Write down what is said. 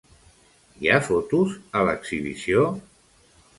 Hi ha fotos a l'exhibició?